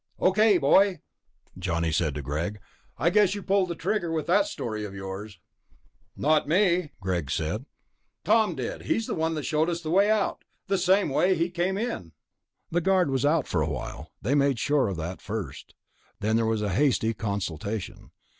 "Okay, boy," Johnny said to Greg, "I guess you pulled the trigger with that story of yours." "Not me," Greg said. "Tom did. He's the one that showed us the way out ... the same way he came in." The guard was out for a while, they made sure of that first. Then there was a hasty consultation.